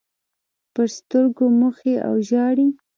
پر سترګو موښي او ژاړي.